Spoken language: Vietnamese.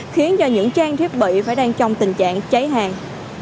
khiến cho những trang thiết bị phải đang trong tình trạng cháy hàng